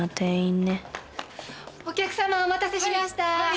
お客様お待たせしました。